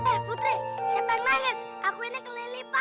eh putri siapa yang nangis aku ini kelilipan